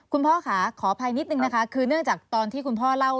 คุณพ่อค่ะขออภัยนิดนึงนะคะคือเนื่องจากตอนที่คุณพ่อเล่า